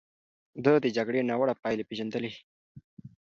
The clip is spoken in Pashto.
ده د جګړې ناوړه پايلې پېژندلې.